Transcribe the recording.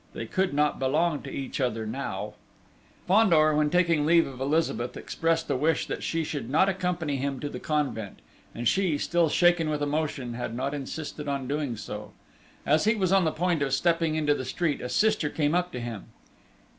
They could not belong to each other now! Fandor, when taking leave of Elizabeth, expressed a wish that she should not accompany him to the convent; and she, still shaken with emotion, had not insisted on doing so. As he was on the point of stepping into the street, a sister came up to him.